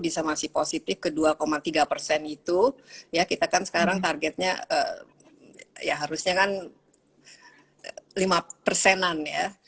bisa masih positif ke dua tiga persen itu ya kita kan sekarang targetnya ya harusnya kan lima persenan ya